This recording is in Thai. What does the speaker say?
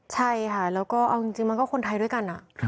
ใช่ค่ะแล้วก็เอาจริงมันก็คนไทยด้วยกัน